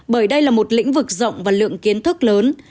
bởi đây là một lĩnh vực rộng và lượng kiến thức lớn